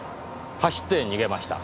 走って逃げました。